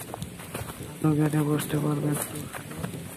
হাঁটু গেঁড়ে বসতে পারবে একটু, সোনা?